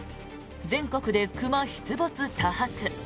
全国で熊出没多発。